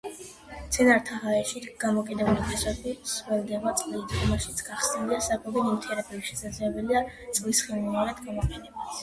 მცენარეთა ჰაერში გამოკიდებული ფესვები სველდება წყლით, რომელშიც გახსნილია საკვები ნივთიერებები; შესაძლებელია წყლის ხელმეორედ გამოყენებაც.